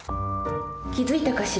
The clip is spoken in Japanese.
気付いたかしら。